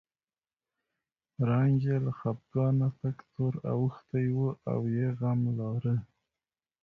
رنګ یې له خپګانه تک تور اوښتی و او یې غم لاره.